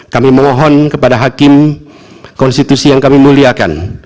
kami mohon kepada hakim konstitusi yang kami muliakan